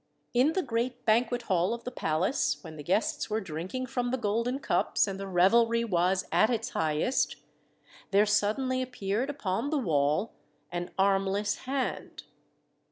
In the great banquet hall of the palace, when the guests were drinking from the golden cups, and the revelry was at its highest, there suddenly appeared upon the wall an armless hand.